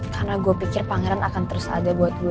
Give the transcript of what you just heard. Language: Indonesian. karena gue pikir pangeran akan terus ada buat gue